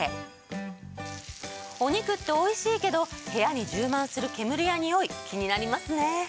お肉っておいしいけど部屋に充満する煙やにおい気になりますね。